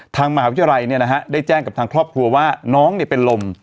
ที่อาจารย์เนี่ยนะฮะได้แจ้งกับทางครอบครัวว่าน้องเนี่ยเป็นลม